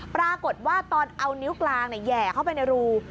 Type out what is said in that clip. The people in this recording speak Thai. ปรากฏว่าตอนเอานิ้วกลางแห่เข้าไปในรู